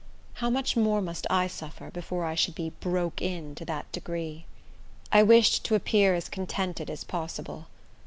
How much more must I suffer, before I should be "broke in" to that degree? I wished to appear as contented as possible.